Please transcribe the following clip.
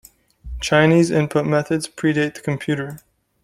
Chinese input methods predate the computer.